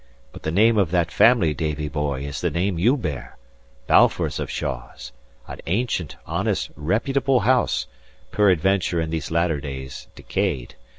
But the name of that family, Davie, boy, is the name you bear Balfours of Shaws: an ancient, honest, reputable house, peradventure in these latter days decayed.